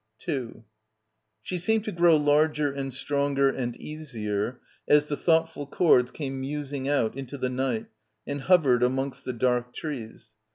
2 She seemed to grow larger and stronger and easier as the thoughtful chords came musing out into the night and hovered amongst the dark trees.